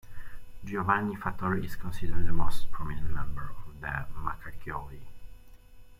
Giovanni Fattori is considered the most prominent member of the Macchiaioli.